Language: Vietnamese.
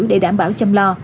để đảm bảo chăm lo